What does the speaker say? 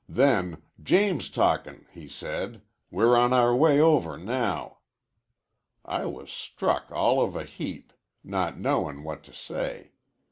Then, 'James talkin',' he said. 'We're on our way over now.' I was struck all of a heap, not knowin' what to say.